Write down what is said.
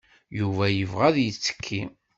Yuba yebɣa ad yettekki.